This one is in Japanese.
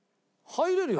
入れるよ。